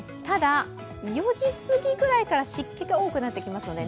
ただ、４時すぎぐらいから湿気が多くなってきます。